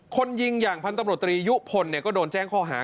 คนยิงอย่างพันธบรตรียุพลก็โดนแจ้งข้อหา